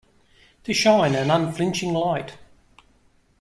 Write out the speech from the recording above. To shine an unflinching light.